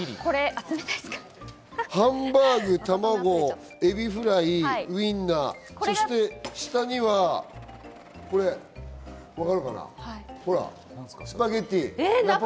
ハンバーグ、卵、エビフライ、ウインナー、そして下にはスパゲティ。